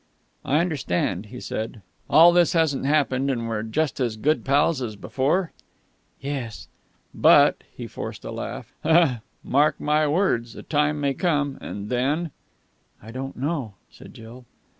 "I understand," he said. "All this hasn't happened, and we're just as good pals as before?" "Yes." "But...." He forced a laugh ... "mark my words, a time may come, and then...!" "I don't know," said Jill.